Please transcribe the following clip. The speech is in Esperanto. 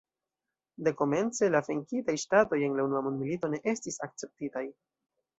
Dekomence la venkitaj ŝtatoj en la Unua Mondmilito ne estis akceptitaj.